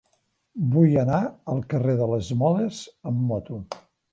Vull anar al carrer de les Moles amb moto.